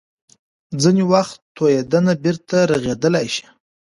ځینې وخت تویېدنه بیرته رغېدلی شي.